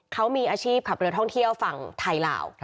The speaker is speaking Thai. เขามีอาชีพขับเรือท่องเที่ยวฝั่งไทยลาว